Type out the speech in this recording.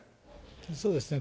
そうですね。